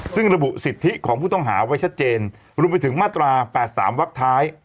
ซึ่งระบุสิทธิของผู้ต้องหาไว้ชัดเจนรวมไปถึงมาตรา๘๓วักท้าย